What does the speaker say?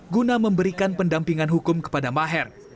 guna memberikan pendampingan hukum kepada maher